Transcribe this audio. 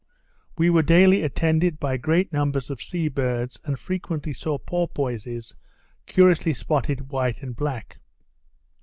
We were daily attended by great numbers of sea birds, and frequently saw porpoises curiously spotted white and black.